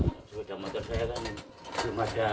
sepeda motor saya kan belum ada